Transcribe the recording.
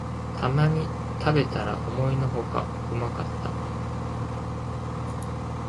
たまに食べたら思いのほかうまかった